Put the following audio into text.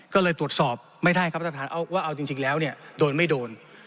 ก็เลยตรวจสอบไม่ได้ครับท่านประธานว่าเอาจริงแล้วเนี่ยโดนไม่โดน